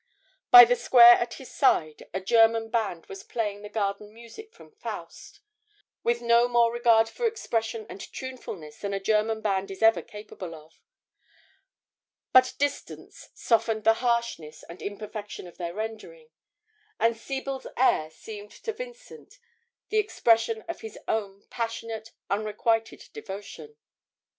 By the square at his side a German band was playing the garden music from 'Faust,' with no more regard for expression and tunefulness than a German band is ever capable of; but distance softened the harshness and imperfection of their rendering, and Siebel's air seemed to Vincent the expression of his own passionate, unrequited devotion.